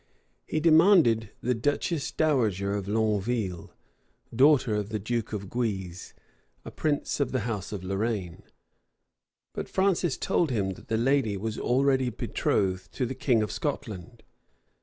He demanded the duchess dowager of Longueville, daughter of the duke of Guise, a prince of the house of Lorraine; but Francis told him, that the lady was already betrothed to the king of Scotland.